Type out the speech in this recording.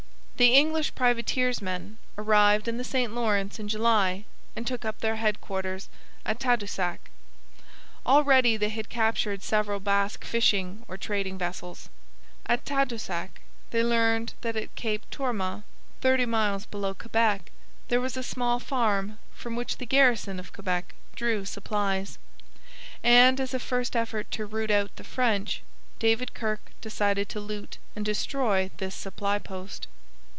The English privateersmen arrived in the St Lawrence in July and took up their headquarters at Tadoussac. Already they had captured several Basque fishing or trading vessels. At Tadoussac they learned that at Cap Tourmente, thirty miles below Quebec, there was a small farm from which the garrison of Quebec drew supplies; and, as a first effort to 'root out' the French, David Kirke decided to loot and destroy this supply post.